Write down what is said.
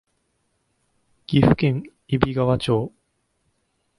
岐阜県揖斐川町